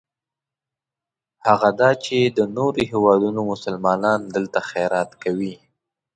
هغه دا چې د نورو هېوادونو مسلمانان دلته خیرات کوي.